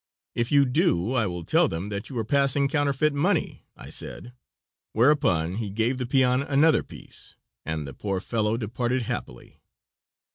"If you do, I will tell them that you are passing counterfeit money," I said, whereupon he gave the peon another piece, and the poor fellow departed happy.